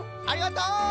ありがとう！